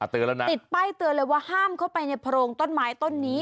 ติดป้ายเตือนเลยว่าห้ามเข้าไปในพรงต้นไม้ต้นนี้